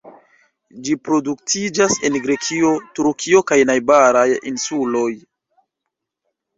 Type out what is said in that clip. Ĝi reproduktiĝas en Grekio, Turkio kaj najbaraj insuloj.